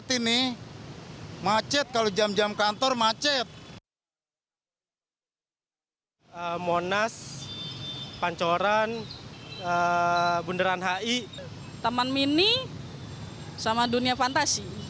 teman mini sama dunia fantasi